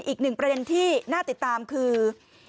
อีกหนึ่งประเด็นที่น่าติดตามคือ